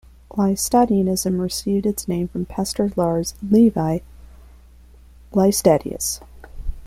Laestadianism received its name from Pastor Lars Levi Laestadius.